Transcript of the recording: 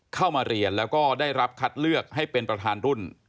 เข้ามาเรียนแล้วก็ได้รับคัดเลือกให้เป็นประธานรุ่น